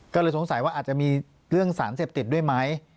ก็เลยสงสัยว่าอาจจะมีเรื่องสารเสพติดด้วยไหม